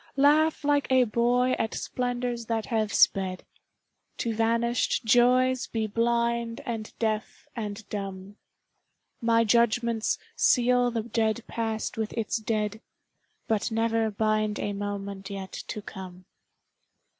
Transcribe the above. Laugh like a boy at splendors that have sped, To vanished joys be blind and deaf and dumb; My judgments seal the dead past with its dead, But never bind a moment yet to come.